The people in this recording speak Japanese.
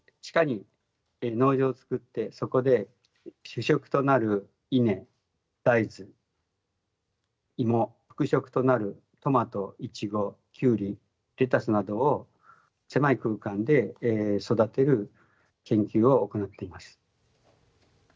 主食となるイネ、大豆、イモ、副食となるトマト、イチゴ、キュウリ、レタスなどを狭い空間で育てる研究を行っています。